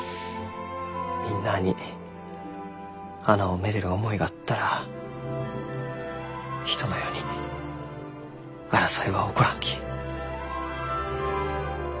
みんなあに花をめでる思いがあったら人の世に争いは起こらんき。